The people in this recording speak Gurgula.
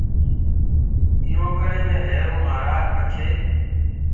ايٚرو ڪري مي روهيروئونٚ مهآرآج پڇي